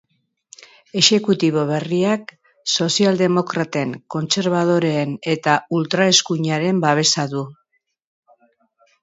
Exekutibo berriak sozialdemokraten, kontserbadoreen eta ultraeskuinaren babesa du.